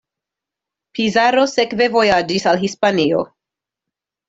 Pizarro sekve vojaĝis al Hispanio.